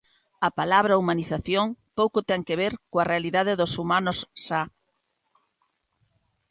A palabra "humanización" pouco ten que ver coa realidade dos humanos xa.